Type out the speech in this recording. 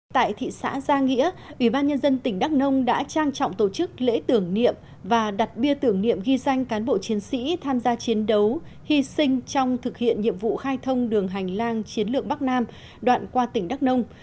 tại thị xã gia nghĩa ủy ban nhân dân tỉnh đắk nông đã trang trọng tổ chức lễ tưởng niệm và đặt bia tưởng niệm ghi danh cán bộ chiến sĩ tham gia chiến đấu hy sinh trong thực hiện nhiệm vụ khai thông đường hành lang chiến lược bắc nam đoạn qua tỉnh đắk nông